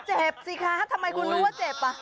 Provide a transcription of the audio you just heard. เจ็บสิคะทำไมคุณรู้ว่าเจ็บ